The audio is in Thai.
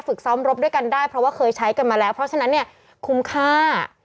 ซ้อมรบด้วยกันได้เพราะว่าเคยใช้กันมาแล้วเพราะฉะนั้นเนี่ยคุ้มค่า